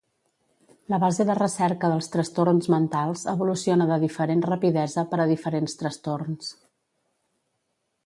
La base de recerca dels trastorns mentals evoluciona de diferent rapidesa per a diferents trastorns.